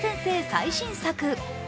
最新作。